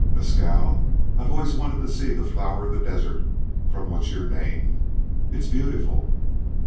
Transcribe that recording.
"Mescal, I've always wanted to see the Flower of the Desert from which you're named. It's beautiful."